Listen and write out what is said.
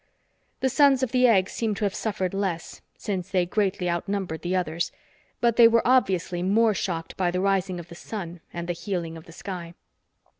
The Sons of the Egg seemed to have suffered less, since they greatly out numbered the others, but they were obviously more shocked by the rising of the sun and the healing of the sky.